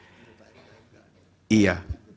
bapak arief tidak iya